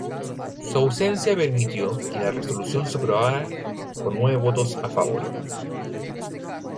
Su ausencia permitió que la resolución se aprobara con nueve votos a favor.